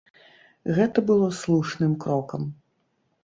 Гэта было слушным крокам.